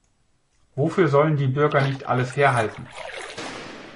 Wofür sollen die Bürger nicht alles herhalten!